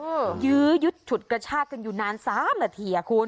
เออยื๊งยุดฉุดกระชาคต้องอยู่นาน๓นาทีน่ะคุณ